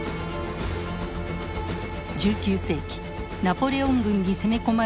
１９世紀ナポレオン軍に攻め込まれたロシア。